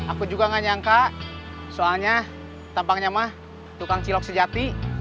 aku juga gak nyangka soalnya tampangnya mah tukang cilok sejati